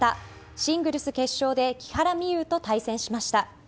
シングルス決勝で木原美悠と対戦しました。